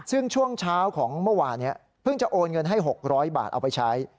ซึ่งช่วงเช้าของเมื่อวานเพิ่งจะโอนเงินให้๖๐๐บาทเอาไปใช้